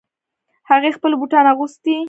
هغې خپلې بوټان اغوستې